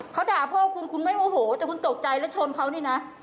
เขาด่าพ่อคุณคุณไม่โมโหแต่คุณตกใจแล้วชนเขานี่นะ